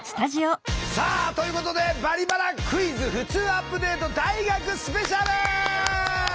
さあということで「バリバラクイズふつうアップデート」大学スペシャル！